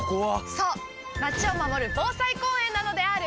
そうまちを守る防災公園なのであーる！